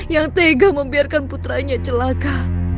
yang tega membiarkan putranya celaka